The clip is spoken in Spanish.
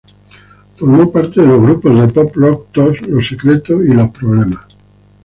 Formó parte de los grupos de pop rock Tos, Los Secretos y Los Problemas.